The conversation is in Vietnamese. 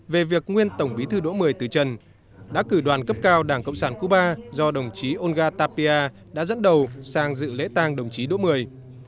về việc nguyên tổng bí thư đỗ mười từ trần đã cử đoàn cấp cao đảng cộng sản cuba do đồng chí olga tapia đã dẫn đầu sang dự lễ tang đồng chí đỗ mười